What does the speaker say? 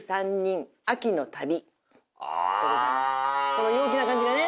この陽気な感じがね。